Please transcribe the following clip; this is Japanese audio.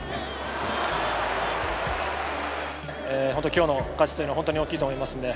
本当、今日の勝ちというのは大きいと思いますんで。